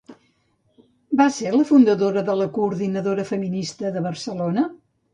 Va ser la fundadora de la Coordinadora Feminista de Barcelona?